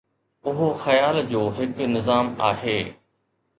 اهو خيال جو هڪ نظام آهي.